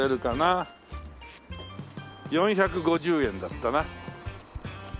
４５０円だったな。